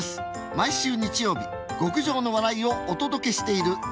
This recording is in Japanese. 毎週日曜日極上の笑いをお届けしている「演芸図鑑」。